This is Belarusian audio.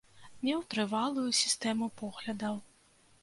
Меў трывалую сістэму поглядаў.